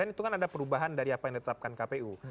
itu kan ada perubahan dari apa yang ditetapkan kpu